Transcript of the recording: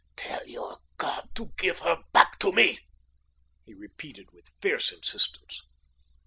"Tell your God to give her back to me," he repeated with fierce insistence.